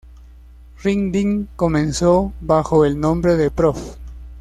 Ring Ding comenzó bajo el nombre de Prof.